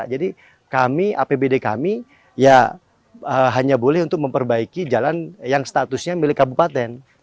jadi kami apbd kami ya hanya boleh untuk memperbaiki jalan yang statusnya milik kabupaten